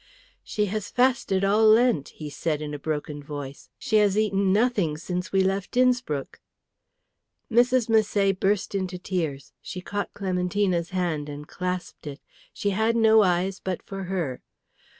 "She has fasted all Lent," he said in a broken voice. "She has eaten nothing since we left Innspruck." Mrs. Misset burst into tears; she caught Clementina's hand and clasped it; she had no eyes but for her.